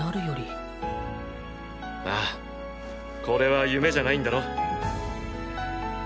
ああこれは夢じゃないんだろう？